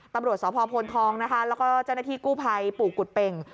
ตำรวจสพพลทองนะคะแล้วก็เจ้าหน้าที่กู้ภัยปู่กุฎเป่ง